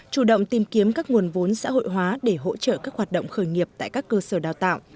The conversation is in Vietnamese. chủ động tìm kiếm các nguồn vốn xã hội hóa để hỗ trợ các hoạt động khởi nghiệp tại các cơ sở đào tạo